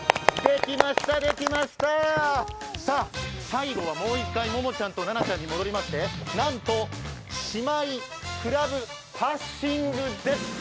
最後はもう１回、ももちゃんとななちゃんに戻りましてなんと姉妹クラブパッシングです。